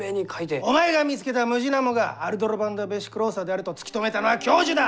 お前が見つけたムジナモがアルドロヴァンダ・ヴェシクローサであると突き止めたのは教授だ！